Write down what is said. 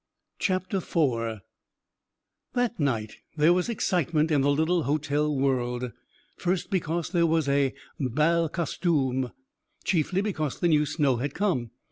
IV That night there was excitement in the little hotel world, first because there was a bal costume, but chiefly because the new snow had come.